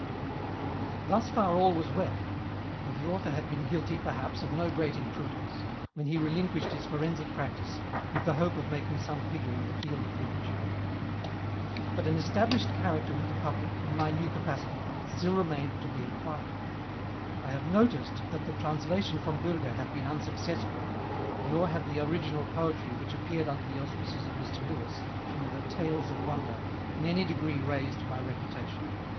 Thus fSar all was well, and the Author had been guiiiy, perhaps, of no great imprudence, when he relinquished his forensic practice with the hope of making some figure in the field of literature. But an established character with the public, in my new capacity, still remained t<i be acquired. I have noticed, that the translation from Biirger had been imsuccessful, nor had the original poe try which appeared under the auspices of Mr. Lewis, in the " Tales of Wonder,'* in any degree raised my repu tation.